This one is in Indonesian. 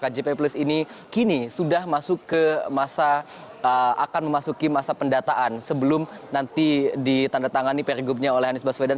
kjp plus ini kini sudah masuk ke masa akan memasuki masa pendataan sebelum nanti ditandatangani perigubnya oleh anies baswedan